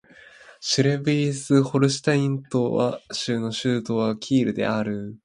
シュレースヴィヒ＝ホルシュタイン州の州都はキールである